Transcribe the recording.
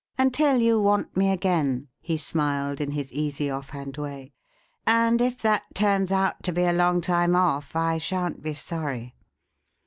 "Until you want me again," he smiled in his easy, offhand way. "And if that turns out to be a long time off I shan't be sorry.